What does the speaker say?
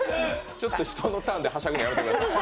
ちょっと人のターンではしゃぐのやめてください。